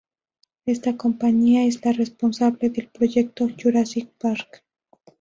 Esta compañía es la responsable del proyecto Jurassic Park.